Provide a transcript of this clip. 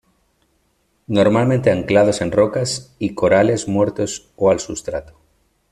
Normalmente anclados en rocas y corales muertos o al sustrato.